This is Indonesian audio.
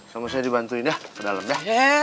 sama saya dibantuin ya ke dalam dah